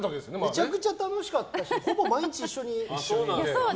めちゃくちゃ楽しかったしほぼ毎日一緒にいましたから。